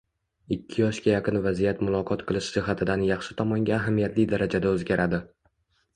Ikki yoshga yaqin vaziyat muloqot qilish jihatidan yaxshi tomonga ahamiyatli darajada o‘zgaradi.